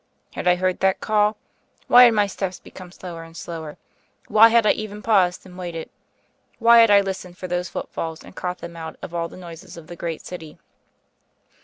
Had I heard that call? Why had my steps become slower and slower? Why had I even paused, and waited? Why had I listened for those footfalls, and caught them out of all the noises of a great city?